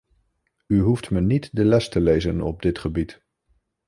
U hoeft me niet de les te lezen op dit gebied.